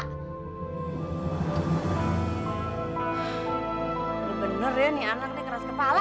lo bener ya nih anak lo ngeras kepala